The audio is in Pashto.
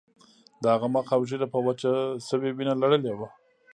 د هغه مخ او ږیره په وچه شوې وینه لړلي وو